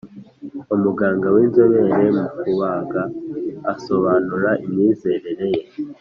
Umuganga w inzobere mu kubaga asobanura imyizerere ye